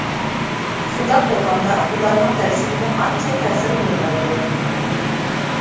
شۇنداق بولغاندا ئۇلارنىڭ دەرسىگىمۇ ئانچە تەسىرى بولمايدۇ.